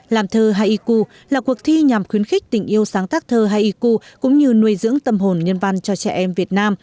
làm thơ haiku là cuộc thi nhằm khuyến khích tình yêu sáng tác thơ haiku cũng như nuôi dưỡng tâm hồn nhân văn cho trẻ em việt nam